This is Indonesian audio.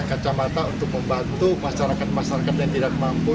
kacamata untuk membantu masyarakat masyarakat yang tidak mampu